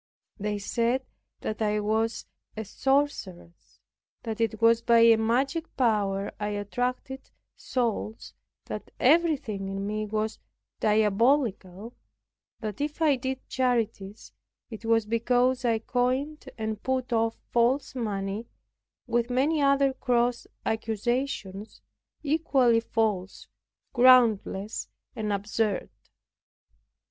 They said that I was a sorceress, that it was by a magic power I attracted souls, that everything in me was diabolical; that if I did charities, it was because I coined, and put off false money, with many other gross accusations, equally false, groundless and absurd.